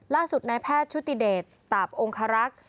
ล่าสุดนายแพทย์ชุติเดชตาบองคารักษ์